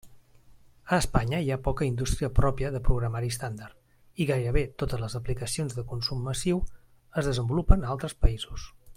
A Espanya hi ha poca indústria pròpia de programari estàndard, i gairebé totes les aplicacions de consum massiu es desenvolupen a altres països.